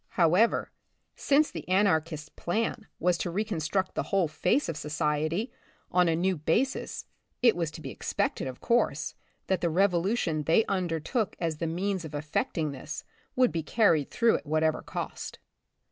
However, since the anarchist's plan was to reconstruct the whole face of society on a new so The Republic of the Future, basis, it was to be expected, of course, that the revolution they undertook as the means of effecting this would be carried through at what ever cost.